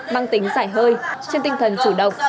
mang tính giải hơi trên tinh thần chủ động